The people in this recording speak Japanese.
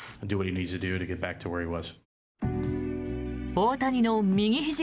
大谷の右ひじ